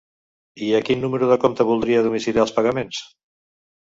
I a quin número de compte voldria domiciliar els pagaments?